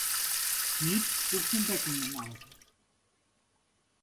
Mieth wuchs in Beckingen auf.